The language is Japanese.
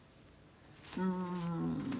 うん。